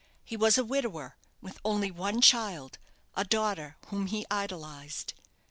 He was a widower, with only one child, a daughter, whom he idolized.